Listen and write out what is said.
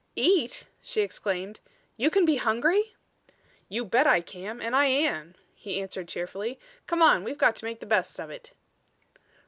"Eat!" she exclaimed. "You can be hungry?" "You bet I can and I am," he answered cheerfully. "Come on; we've got to make the best of it."